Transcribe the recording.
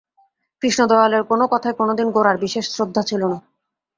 কৃষ্ণদয়ালের কোনো কথায় কোনোদিন গোরার বিশেষ শ্রদ্ধা ছিল না।